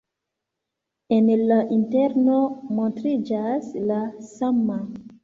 En la interno montriĝas la sama.